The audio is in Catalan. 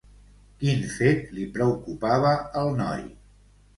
Quin fet li preocupava al noi?